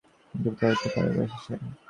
কিসের যে ঘোর তাহাকে পাইয়া বসিয়াছে।